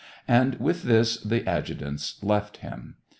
. And with this the adjutants left him.